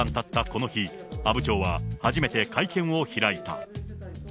この日、阿武町は初めて会見を開いた。